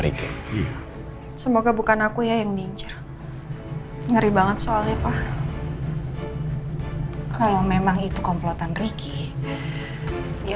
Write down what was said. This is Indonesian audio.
riki semoga bukan aku yang diincer ngeri banget soalnya pak kalau memang itu komplotan riki ya